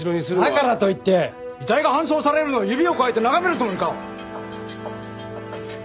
だからといって遺体が搬送されるのを指をくわえて眺めるつもりか！？